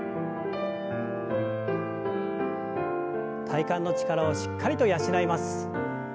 体幹の力をしっかりと養います。